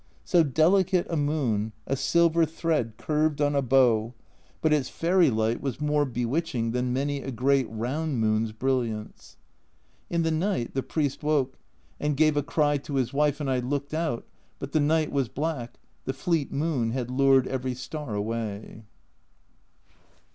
So delicate a moon, a silver thread curved on a bow, but its fairy light was i jo A Journal from Japan more bewitching than many a great round moon's brilliance. In the night the priest woke, and gave a cry to his wife, and I looked out, but the night was black, the fleet moon had lured every star away.